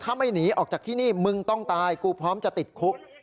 ถ้าไม่หนีออกจากที่นี่มึงต้องตายกูพร้อมจะติดคุก